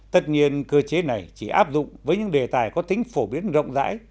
tất nhiên cơ chế này chỉ áp dụng với những đề tài có tính phổ biến rộng rãi